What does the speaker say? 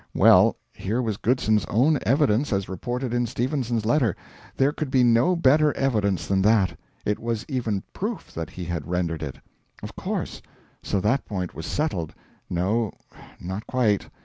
Well, here was Goodson's own evidence as reported in Stephenson's letter; there could be no better evidence than that it was even PROOF that he had rendered it. Of course. So that point was settled... No, not quite.